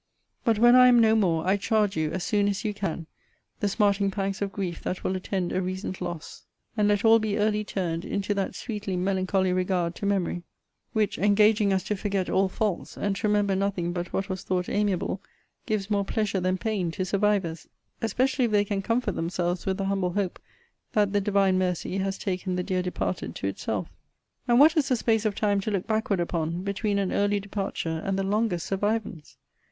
But when I am no more, I charge you, as soon as you can, the smarting pangs of grief that will attend a recent loss; and let all be early turned into that sweetly melancholy regard to MEMORY, which, engaging us to forget all faults, and to remember nothing but what was thought amiable, gives more pleasure than pain to survivors especially if they can comfort themselves with the humble hope, that the Divine mercy has taken the dear departed to itself. And what is the space of time to look backward upon, between an early departure and the longest survivance!